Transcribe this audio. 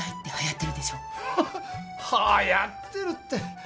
フフッはやってるって。